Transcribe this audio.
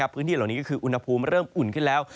พื้นที่เหล่านี้ก็คืออุณหภูมิเริ่มอุ่นขึ้นแล้ว